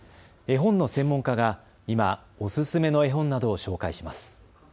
絵本の専門家が今、おすすめの絵本などを紹介します。